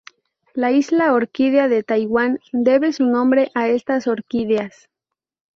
La isla Orquídea de Taiwán, debe su nombre a estas orquídeas.